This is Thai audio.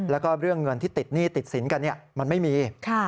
แล้วก็เรื่องเงินที่ติดหนี้ติดสินกันมันไม่มี